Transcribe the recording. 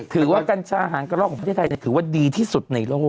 กัญชาหารกระลอกของประเทศไทยถือว่าดีที่สุดในโลก